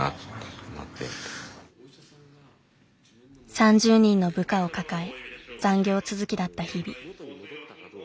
３０人の部下を抱え残業続きだった日々。